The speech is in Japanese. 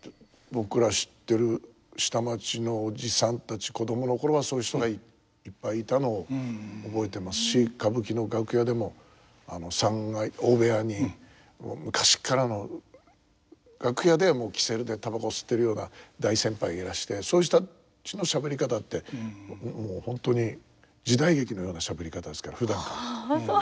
僕ら知ってる下町のおじさんたち子供の頃はそういう人がいっぱいいたのを覚えてますし歌舞伎の楽屋でも三階大部屋にもう昔っからの楽屋では煙管でたばこ吸ってるような大先輩がいらしてそういう人たちのしゃべり方ってもう本当に時代劇のようなしゃべり方ですからふだんから。